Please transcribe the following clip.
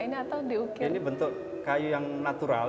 ini bentuk kayu yang natural